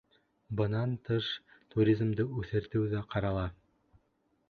Бынан тыш, туризмды үҫтереү ҙә ҡарала.